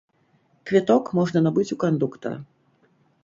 Квіток можна набыць у кандуктара.